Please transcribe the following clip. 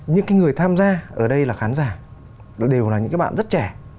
những cái người tham gia ở đây là khán giả đều là những cái bạn rất trẻ